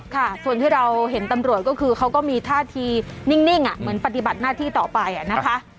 ค่ะส่วนที่เราเห็นตำรวจก็คือเขาก็มีท่าทีนิ่งเหมือนปฏิบัติหน้าที่ต่อไปนะคะ